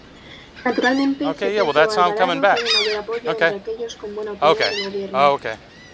Naturalmente, C. Alvarado tiene mayor apoyo entre aquellos con buena opinión del gobierno.